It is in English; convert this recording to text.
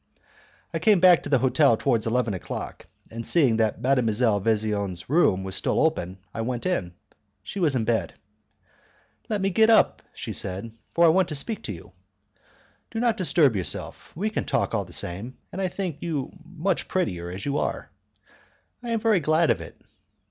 I came back to the hotel towards eleven o'clock, and seeing that Mdlle. Vesian's room was still open I went in. She was in bed. "Let me get up," she said, "for I want to speak to you." "Do not disturb yourself; we can talk all the same, and I think you much prettier as you are." "I am very glad of it."